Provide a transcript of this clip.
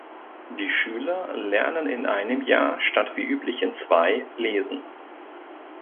Die Schüler lernen in einem Jahr statt wie üblich in zwei lesen.